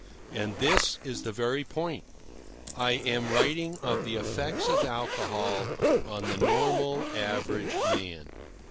And this is the very point: I am writing of the effects of alcohol on the normal, average man.